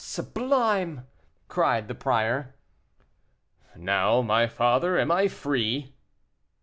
sublime!" cried the prior. "Now, my father, am I free?"